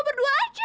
lo berdua aja